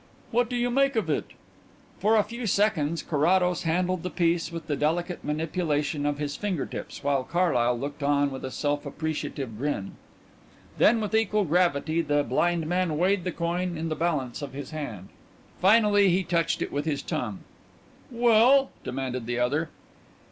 "What do you make of it?" For a few seconds Carrados handled the piece with the delicate manipulation of his finger tips while Carlyle looked on with a self appreciative grin. Then with equal gravity the blind man weighed the coin in the balance of his hand. Finally he touched it with his tongue. "Well?" demanded the other.